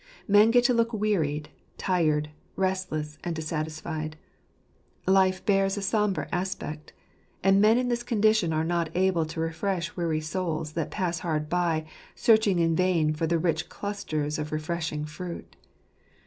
Men get to look wearied, tired, restless, and dissatisfied. Life bears a sombre aspect And men in this condition are not able to refresh weary souls that pass hard by, searching in vain for the rich clusters of refreshing fruit.